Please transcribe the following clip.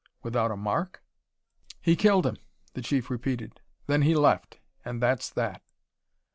"Without a mark?" "He killed him," the Chief repeated; "then he left and that's that."